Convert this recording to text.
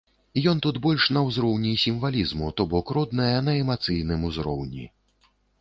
Ён тут больш на ўзроўні сімвалізму, то бок родная на эмацыйным узроўні.